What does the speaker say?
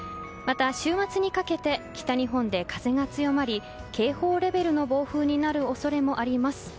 また週末にかけて北日本で風が強まり警報レベルの暴風になる恐れもあります。